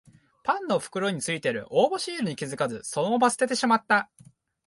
パンの袋についてる応募シールに気づかずそのまま捨ててしまった